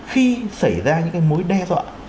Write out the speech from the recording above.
khi xảy ra những cái mối đe dọa